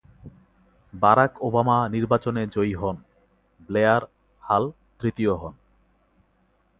Barack Obama নির্বাচনে জয়ী হন, ব্লেয়ার হাল তৃতীয় হন।